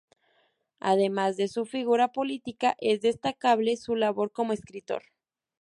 Además de su figura política, es destacable su labor como escritor.